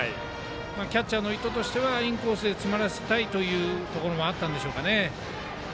キャッチャーの意図としてはインコースで詰まらせたいというところもあったんでしょうか。